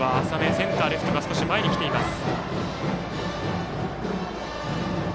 センター、レフトが少し前に来ています。